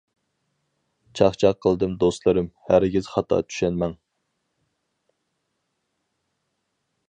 چاقچاق قىلدىم دوستلىرىم، ھەرگىز خاتا چۈشەنمەڭ.